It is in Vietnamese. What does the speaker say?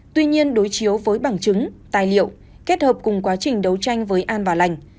tuy nhiên đối chiếu với bằng chứng tài liệu kết hợp cùng quá trình đấu tranh với an và lành